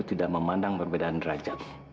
tidak ada yang bisa ditolong